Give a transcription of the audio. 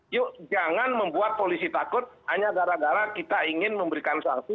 yuk jangan membuat polisi takut hanya gara gara kita ingin memberikan sanksi